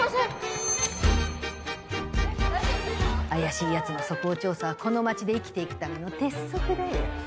怪しいヤツの素行調査はこの街で生きて行くための鉄則だよ。